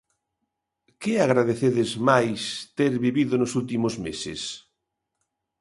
Que agradecedes máis ter vivido nos últimos meses?